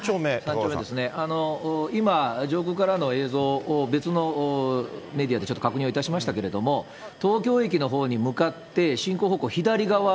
３丁目ですね、今、上空からの映像を別のメディアでちょっと確認をいたしましたけれども、東京駅のほうに向かって、ですね。